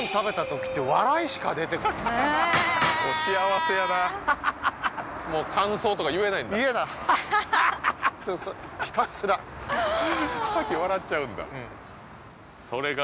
もう幸せやなもう感想とか言えないんだ言えない先笑っちゃうんだうん